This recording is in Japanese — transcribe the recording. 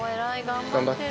頑張って。